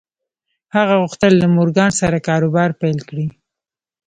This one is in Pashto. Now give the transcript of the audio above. هغه غوښتل له مورګان سره کاروبار پیل کړي